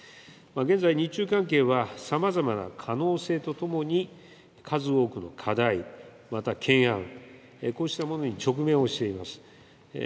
現在、日中関係はさまざまな可能性とともに数多くの課題、また懸案、こうしたものに直面をしています。